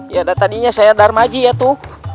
ya ada tadinya sayang darmaji ya tuh